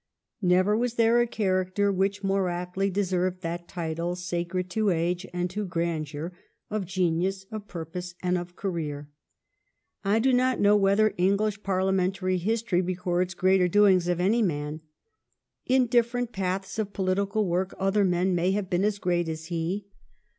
Never was there a character which more aptly deserved that title, sacred to age and to grandeur of genius, of purpose, and of career. I do not know whether English Parliamentary history records greater doings of any man. In dif ferent paths of political work other men may have been as great as he.